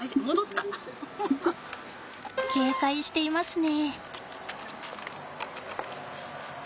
警戒していますね。